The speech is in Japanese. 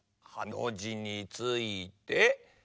ハのじについて。